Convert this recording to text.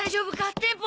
テンポ！